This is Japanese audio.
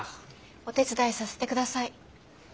お手伝いさせて下さい。